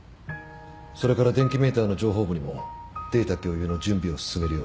それから電気メーターの情報部にもデータ共有の準備を進めるように。